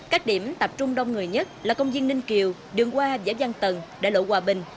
các điểm tập trung đông người nhất là công viên ninh kiều đường qua giáo văn tần đại lộ hòa bình